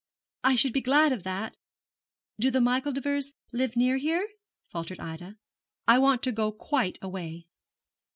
'I should be glad of that. Do the Micheldevers live near here?' faltered Ida. 'I want to go quite away.'